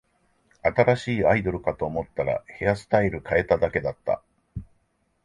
新しいアイドルかと思ったら、ヘアスタイル変えただけだった